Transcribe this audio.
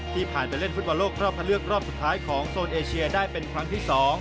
ผ่านไปเล่นฟุตบอลโลกรอบคันเลือกรอบสุดท้ายของโซนเอเชียได้เป็นครั้งที่๒